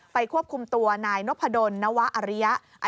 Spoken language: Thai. ควบคุมตัวนายนพดลนวะอริยะ